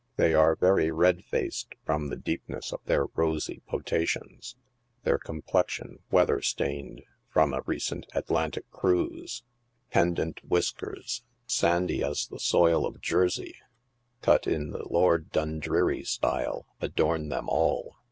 They are very red faced from the^ deepness of their rosy potations, their complexion weather stained from a recent Atlantic cruise ; pendant whiskers, sandy as BEAUTY AND CHAMPAGNE. 11 the soil of Jersey, cut in the Lord Dundreary style, adorn them all.